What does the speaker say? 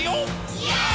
イエーイ！！